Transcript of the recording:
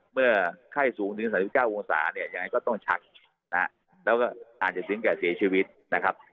เมื่อไข้สูงถึง๓๙องศาเนี่ยยังไงก็ต้องชักนะฮะแล้วก็อาจจะถึงแก่เสียชีวิตนะครับ